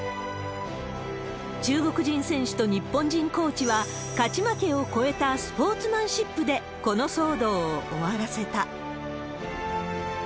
中国人選手と日本人コーチは、勝ち負けを超えたスポーツマンシップで、この騒動を終わらせた。